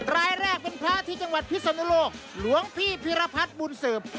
รายแรกเป็นพระที่จังหวัดพิศนุโลกหลวงพี่พิรพัฒน์บุญเสิร์ฟ